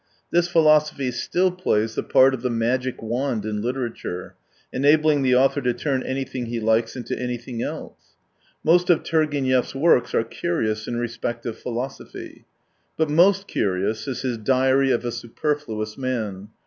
This philosophy still plays tlie part of the magic wand in literature, enabling the author to turn anything he likes into anything else. Most of Turgenev's works are curious in respect of philosophy. But most curious is his Diary of a Superfluous Man.